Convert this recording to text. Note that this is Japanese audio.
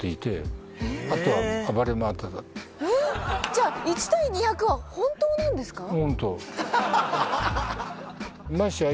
じゃあ１対２００は本当なんですか？